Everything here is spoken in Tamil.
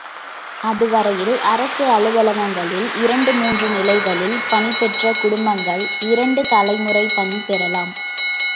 அதுவரையில் அரசு அலுவலகங்களில் இரண்டு மூன்று நிலைகளில் பணிபெற்ற குடும்பங்கள் இரண்டு தலைமுறை பணி பெறலாம்.